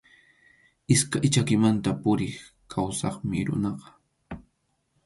Iskay chakimanta puriq kawsaqmi runaqa.